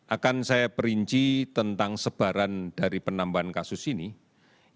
akan saya perinci tentang sebaran dari penambahan kasusnya